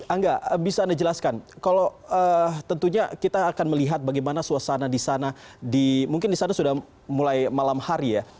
angga bisa anda jelaskan kalau tentunya kita akan melihat bagaimana suasana di sana di mungkin di sana sudah mulai malam hari ya